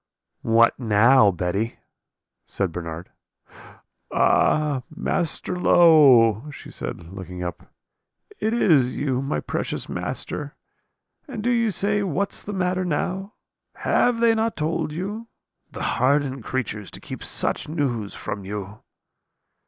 "'What now, Betty?' said Bernard. "'Ah, Master Low!' she said, looking up, 'is it you, my precious master, and do you say, what's the matter now? Have not they told you? The hardened creatures to keep such news from you!'